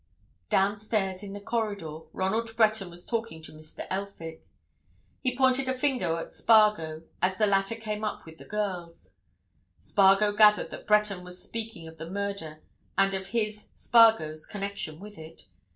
Downstairs, in the corridor, Ronald Breton was talking to Mr. Elphick. He pointed a finger at Spargo as the latter came up with the girls: Spargo gathered that Breton was speaking of the murder and of his, Spargo's, connection with it.